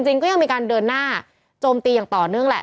จริงก็ยังมีการเดินหน้าโจมตีอย่างต่อเนื่องแหละ